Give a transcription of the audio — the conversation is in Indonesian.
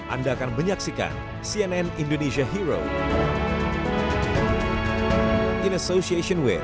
anda akan menyaksikan cnn indonesia hero in association with